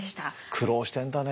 苦労してんだね。